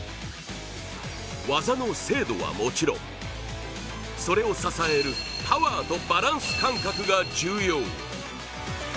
技の精度はもちろんそれを支えるパワーとバランス感覚が重要。